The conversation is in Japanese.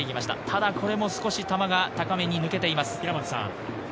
ただこれも少し球が高めに抜けています。